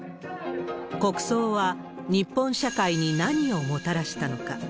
国葬は、日本社会に何をもたらしたのか。